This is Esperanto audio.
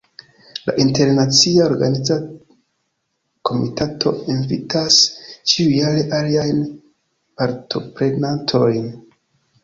La internacia organiza komitato invitas ĉiujare aliajn partoprenantojn.